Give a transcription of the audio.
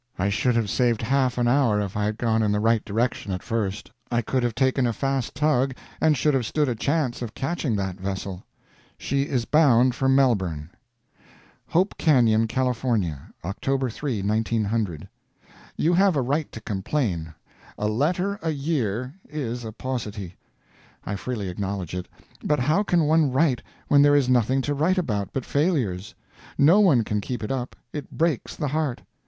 I should have saved half an hour if I had gone in the right direction at first. I could have taken a fast tug, and should have stood a chance of catching that vessel. She is bound for Melbourne. HOPE CANYON, CALIFORNIA, October 3, 1900. You have a right to complain. "A letter a year" is a paucity; I freely acknowledge it; but how can one write when there is nothing to write about but failures? No one can keep it up; it breaks the heart.